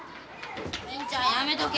金ちゃんやめとけ。